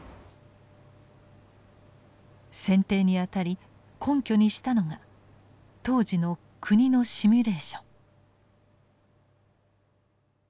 選定にあたり根拠にしたのが当時の国のシミュレーション。